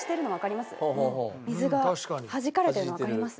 水がはじかれてるのわかります？